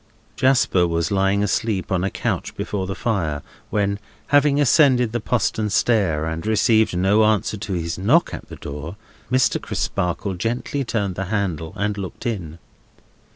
Jasper was lying asleep on a couch before the fire, when, having ascended the postern stair, and received no answer to his knock at the door, Mr. Crisparkle gently turned the handle and looked in.